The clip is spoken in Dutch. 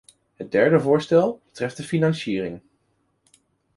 Het derde voorstel betreft de financiering.